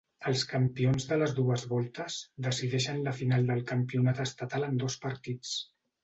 Els campions de les dues voltes decideixen la final del campionat estatal en dos partits.